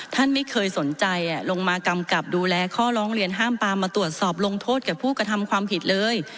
ท่านไม่เคยสนใจลงมากำกับดูแลข้อร้องเรียนห้ามปามมาตรวจสอบลงโทษกับผู้กระทำความผิดเลย